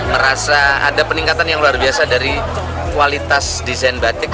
merasa ada peningkatan yang luar biasa dari kualitas desain batik